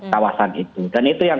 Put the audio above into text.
kawasan itu dan itu yang